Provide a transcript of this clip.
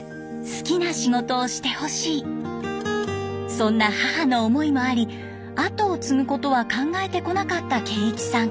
そんな母の思いもあり後を継ぐことは考えてこなかった桂一さん。